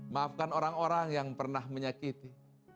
maafkan orang orang yang pernah menyakiti